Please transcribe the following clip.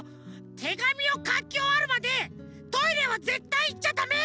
てがみをかきおわるまでトイレはぜったいいっちゃだめ！